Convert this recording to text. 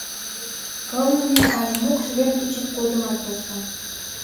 Кылмыме але мокш-верге чер годымат полша.